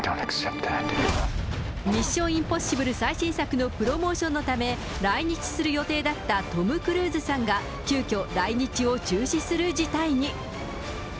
ミッション・インポッシブル最新作のプロモーションのため、来日する予定だったトム・クルーズさんが、急きょ、来日を中止する事態に。